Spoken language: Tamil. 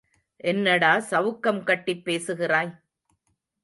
என்னடா சவுக்கம் கட்டிப் பேசுகிறாய்?